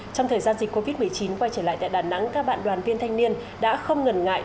trong thời gian dịch covid một mươi chín quay trở lại tại đà nẵng các bạn đoàn viên thanh niên đã không ngần ngại